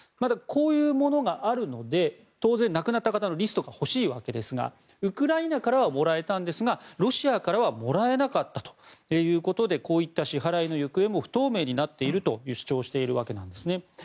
こういうものがあるので当然、亡くなった方のリストが欲しいわけですがウクライナからはもらえたんですがロシアからはもらえなかったということでこういった支払いの行方も不透明になっていると主張しているわけですね。